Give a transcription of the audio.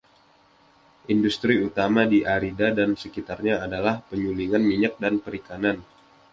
Industri utama di Arida dan sekitarnya adalah penyulingan minyak dan perikanan.